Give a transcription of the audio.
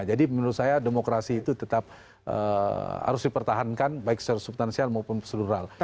jadi menurut saya demokrasi itu tetap harus dipertahankan baik secara subtansial maupun procedural